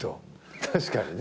確かにね。